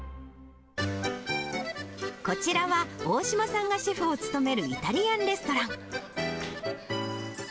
こちらは、大島さんがシェフを務めるイタリアンレストラン。